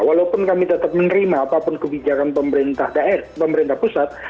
walaupun kami tetap menerima apapun kebijakan pemerintah pusat